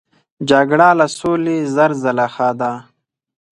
جګړه له سولې زر ځله ښه ده.